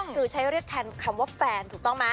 หรือใช้เรียกแทนคำว่าแฟนถูกต้องไหม